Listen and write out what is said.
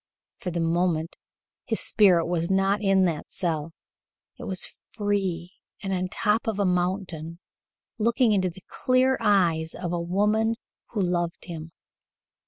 For the moment his spirit was not in that cell. It was free and on top of a mountain, looking into the clear eyes of a woman who loved him.